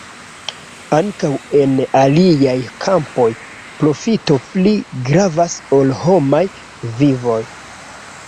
Ankaŭ en aliaj kampoj profito pli gravas ol homaj vivoj.